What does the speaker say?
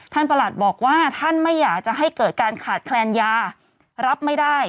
ประหลัดบอกว่าท่านไม่อยากจะให้เกิดการขาดแคลนยารับไม่ได้